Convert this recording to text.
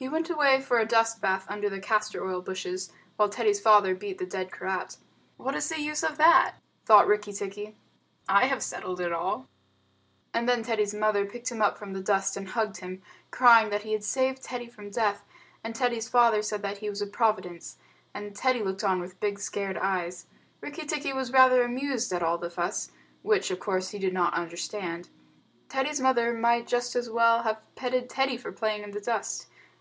He went away for a dust bath under the castor oil bushes, while Teddy's father beat the dead Karait. "What is the use of that?" thought Rikki tikki. "I have settled it all;" and then Teddy's mother picked him up from the dust and hugged him, crying that he had saved Teddy from death, and Teddy's father said that he was a providence, and Teddy looked on with big scared eyes. Rikki tikki was rather amused at all the fuss, which, of course, he did not understand. Teddy's mother might just as well have petted Teddy for playing in the dust.